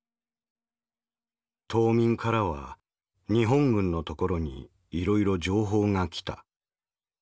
「島民からは日本軍のところにいろいろ情報がきた。